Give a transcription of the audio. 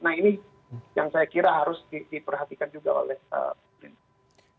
nah ini yang saya kira harus diperhatikan juga oleh pemerintah